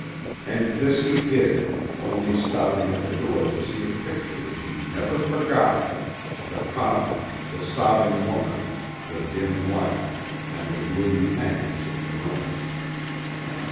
And this he did, only stopping at the door to see a picture which he never forgot, the coffin, the sobbing woman, the dim light, and the gloomy hangings of the room.